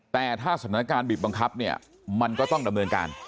แต่ถ้าสถานการณ์บีบบังคับเนี่ยมันก็ต้องดำเนินการ